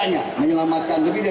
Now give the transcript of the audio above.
dengan pengungkapan ini bnn tidak setia